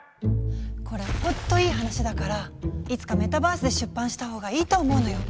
これほんといい話だからいつかメタバースで出版した方がいいと思うのよ。